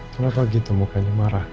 kenapa gitu mukanya marah